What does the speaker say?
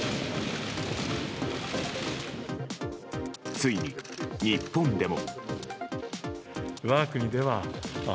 ついに、日本でも。